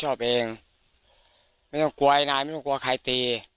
ถูกรับบัคของข้าวตาไม่ต้องกลัวไอ้นายไม่ต้องกลัวใครตี